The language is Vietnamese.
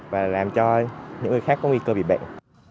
và làm cho những người khác có nguy cơ bị bệnh